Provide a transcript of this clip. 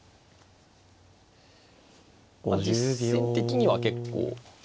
実戦的には結構。